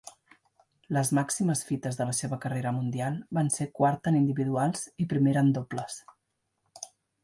Les màximes fites de la seva carrera mundial van ser quarta en individuals i primera en dobles.